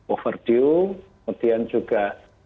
over due kemudian juga